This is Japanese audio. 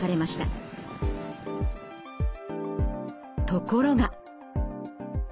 ところが。